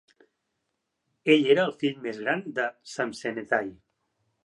Ell era el fill més gran de Samsenethai.